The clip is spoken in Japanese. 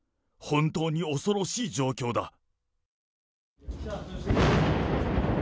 本当に恐ろしい状況だ。